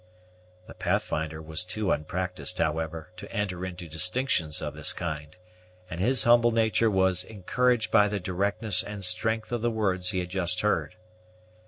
The Pathfinder was too unpractised, however, to enter into distinctions of this kind, and his humble nature was encouraged by the directness and strength of the words he had just heard.